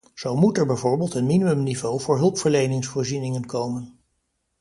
Zo moet er bijvoorbeeld een minimumniveau voor hulpverleningsvoorzieningen komen.